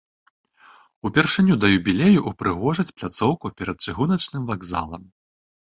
Упершыню да юбілею ўпрыгожаць пляцоўку перад чыгуначным вакзалам.